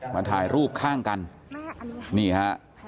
มาถ่ายรูปข้างกันนี่ฮะ